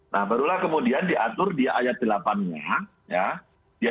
nah barulah kemudian diatur di ayat delapan nya